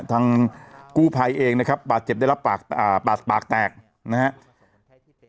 ทางกู้ภัยเองนะครับปากเจ็บได้แล้วปากแตกนะฮะ